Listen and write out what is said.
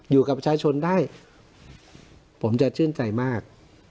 อยู่กับประชาชนได้ผมจะชื่นใจมาก